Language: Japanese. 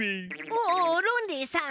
おおロンリーさん！